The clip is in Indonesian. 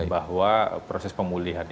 bahwa proses pemulihan